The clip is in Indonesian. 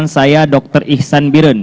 saya dr ihsan biren